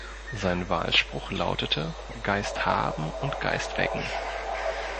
Sein Wahlspruch lautete: "Geist haben und Geist wecken".